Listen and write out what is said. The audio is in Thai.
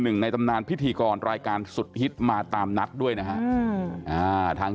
ในตำนานพิธีกรรายการสุดฮิตมาตามนัดด้วยนะฮะทาง